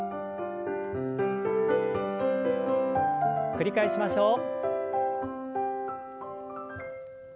繰り返しましょう。